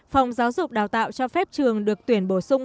phòng giáo dục đào tạo cho phép trường được tuyển bổ sung